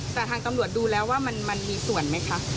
แต่ทางตำรวจดูแล้วว่ามันมีส่วนไหมคะ